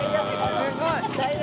すごい。